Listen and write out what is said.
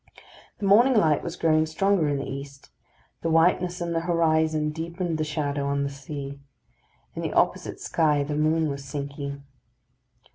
The morning light was growing stronger in the east; the whiteness in the horizon deepened the shadow on the sea. In the opposite sky the moon was sinking.